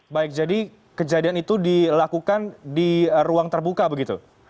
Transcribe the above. baik jadi kejadian itu dilakukan di ruang terbuka begitu